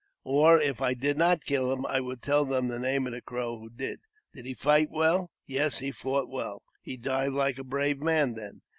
Or, if I did not kill him, I would tell them the name of the Crow who did. " Did he fight well ?"" Yes, he fought well." *' He died like a brave man, then